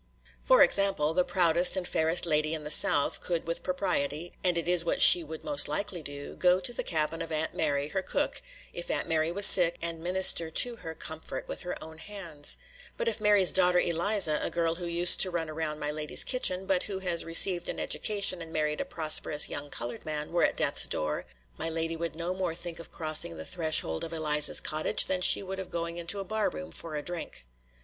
For example, the proudest and fairest lady in the South could with propriety and it is what she would most likely do go to the cabin of Aunt Mary, her cook, if Aunt Mary was sick, and minister to her comfort with her own hands; but if Mary's daughter, Eliza, a girl who used to run round my lady's kitchen, but who has received an education and married a prosperous young colored man, were at death's door, my lady would no more think of crossing the threshold of Eliza's cottage than she would of going into a bar room for a drink.